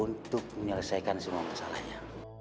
untuk menyelesaikan semua masalahnya